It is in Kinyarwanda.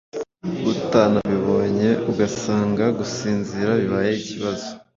utanabinyoye ugasanga gusinzira bibaye ikibazo.